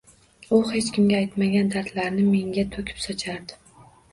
U hech kimga aytmagan dardlarini menga to`kib sochardi